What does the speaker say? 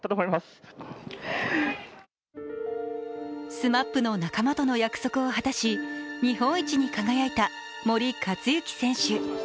ＳＭＡＰの仲間との約束を果たし日本一に輝いた森且行選手。